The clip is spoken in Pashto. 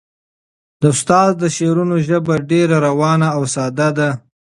د استاد د شعرونو ژبه ډېره روانه او ساده ده.